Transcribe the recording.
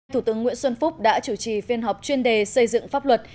thủ tướng nguyễn xuân phúc đã chủ trì phiên họp chuyên đề xây dựng pháp luật